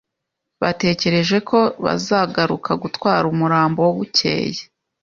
bategerejeko bzagaruka gutwara umurambo bukeye